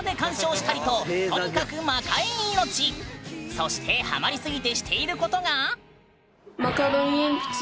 そしてハマりすぎてしていることが。